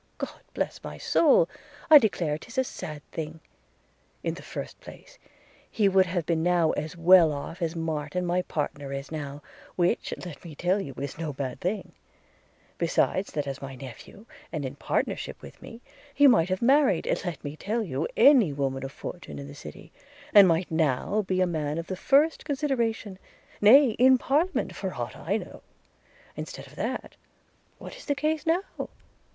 – God bless my soul, I declare 'tis a sad thing! – In the first place, he would have been now as well off as Martin my partner is now, which, let me tell you, is no bad thing; besides that as my nephew, and in partnership with me, he might have married, let me tell you, any woman of fortune in the city, and might now be a man of the first consideration; nay, in parliament for aught I know. – Instead of that, what is the case now?